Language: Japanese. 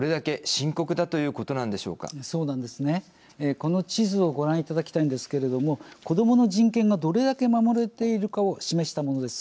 この地図をご覧いただきたいですけれども子どもの人権がどれだけ守られているかを示したものです。